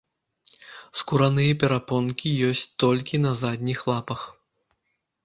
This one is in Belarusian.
Скураныя перапонкі ёсць толькі на задніх лапах.